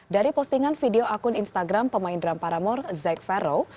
dari postingan video akun instagram pemain drum paramore zakerol